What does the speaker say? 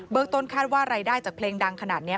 ต้นคาดว่ารายได้จากเพลงดังขนาดนี้